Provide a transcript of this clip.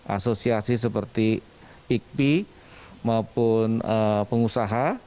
asosiasi seperti ikpi maupun pengusaha